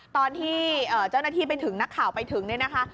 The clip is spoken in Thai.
ตอนที่เจ้าหน้าที่ไปถึงนักข่าวไปถึงเนี่ยนะคะ